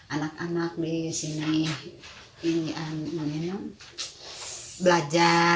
anak anak di sini ingin belajar